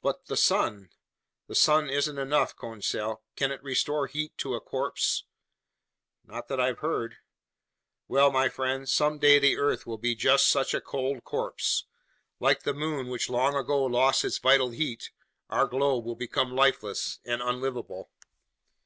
"But the sun—" "The sun isn't enough, Conseil. Can it restore heat to a corpse?" "Not that I've heard." "Well, my friend, someday the earth will be just such a cold corpse. Like the moon, which long ago lost its vital heat, our globe will become lifeless and unlivable."